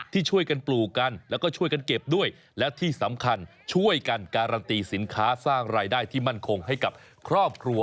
ที่ช่วยกันปลูกกันแล้วก็ช่วยกันเก็บด้วยและที่สำคัญช่วยกันการันตีสินค้าสร้างรายได้ที่มั่นคงให้กับครอบครัว